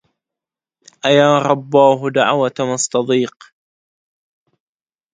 أيا رباه دعوة مستضيق